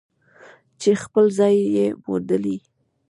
چې خپل ځای یې موندلی.